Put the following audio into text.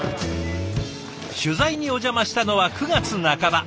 取材にお邪魔したのは９月半ば。